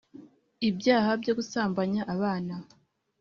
ibyaha byo gusambanya abana